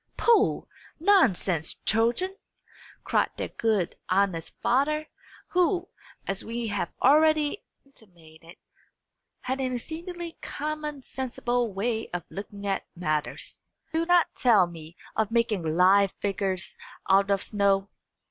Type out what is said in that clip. "Pooh, nonsense, children!" cried their good, honest father, who, as we have already intimated, had an exceedingly common sensible way of looking at matters. "Do not tell me of making live figures out of snow.